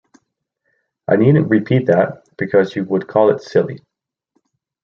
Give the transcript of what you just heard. I needn’t repeat that, because you would call it silly.